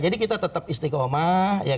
jadi kita tetap istiqomah